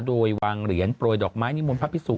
โดยวางเหรียญโปรยดอกไม้นิมนต์พระพิสุ